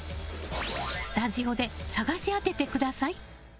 スタジオで捜し当ててください。